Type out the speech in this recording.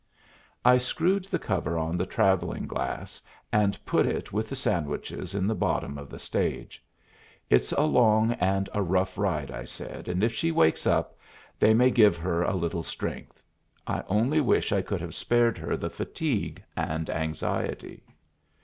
I screwed the cover on the travelling glass, and put it with the sandwiches in the bottom of the stage. "It's a long and a rough ride," I said, "and if she wakes up they may give her a little strength. I only wish I could have spared her the fatigue and anxiety."